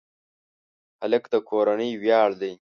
هلک د کورنۍ ویاړ دی.